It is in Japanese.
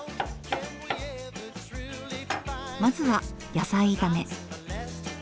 まずは野菜炒め。